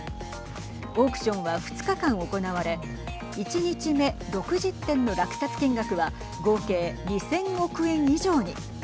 オークションは２日間行われ１日目、６０点の落札金額は合計２０００億円以上に。